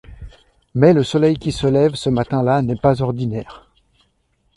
Mais le soleil qui se lève ce matin-là n’est pas ordinaire.